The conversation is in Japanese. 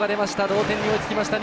同点に追いつきました。